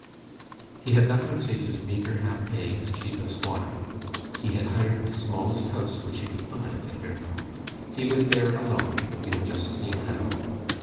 He had nothing save his meagre half pay as chief of squadron. He had hired the smallest house which he could find at Vernon. He lived there alone, we have just seen how.